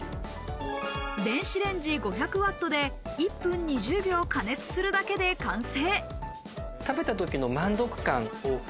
電子レンジ５００ワットで１分２０秒加熱するだけで完成。